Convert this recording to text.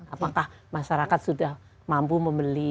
apakah masyarakat sudah mampu membeli